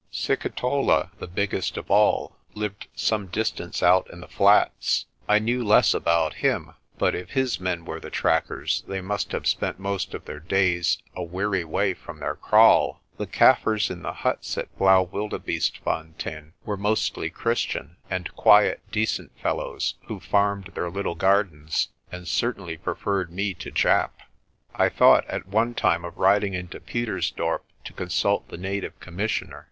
Sikitola, the biggest of all, lived some distance out in the flats. I knew less about him; but if his men were the trackers, they must have spent most of their days a weary way from their kraal. The Kaffirs in the huts at Blaauwildbeestefontein were mostly Christian, and quiet, decent fellows, who farmed their little gardens, and certainly preferred me to Japp. I thought at one time of riding into Pietersdorp to consult the Native Commissioner.